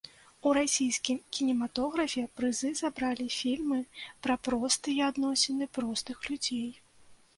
У расійскім кінематографе прызы забралі фільмы пра простыя адносіны простых людзей.